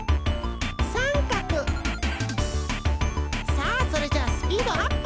さあそれじゃあスピードアップ！